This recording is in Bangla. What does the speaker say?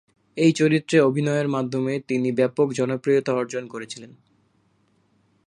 এই চরিত্রে অভিনয়ের মাধ্যমে তিনি ব্যপক জনপ্রিয়তা অর্জন করেছিলেন।